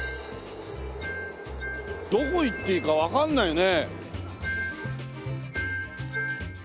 どこ行っていいかわかんないね。